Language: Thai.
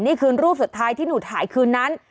นี่คือรูปสุดท้ายที่หนูถ่ายคืนนั้น